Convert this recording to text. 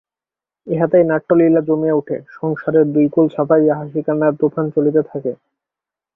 ইহাতেই নাট্যলীলা জমিয়া উঠে, সংসারের দুই কূল ছাপাইয়া হাসিকান্নার তুফান চলিতে থাকে।